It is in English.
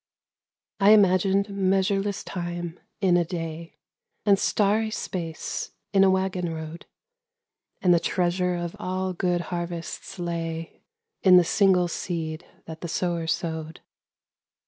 I imagined measureless time in a day, And starry space in a waggon road, And the treasure of all good harvests lay In the single seed that the sower sowed.